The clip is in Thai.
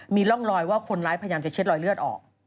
มีร่องรอยว่าคนร้ายพยายามจะเช็ดรอยเลือดออก